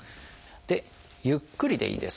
ゆっくりでいいです。